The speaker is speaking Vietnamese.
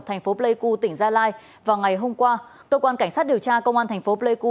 thành phố pleiku tỉnh gia lai vào ngày hôm qua cơ quan cảnh sát điều tra công an thành phố pleiku